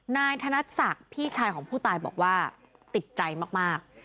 นายธนศักดิ์พี่ชายของผู้ตายบอกว่าติดใจมาก